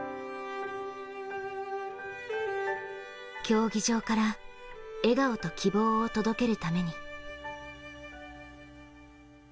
競技場から笑顔と希望を届けるために。